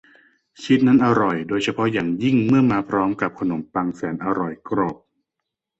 ชีสนั้นอร่อยโดยเฉพาะอย่างยิ่งเมื่อมาพร้อมกับขนมปังแสนอร่อยกรอบ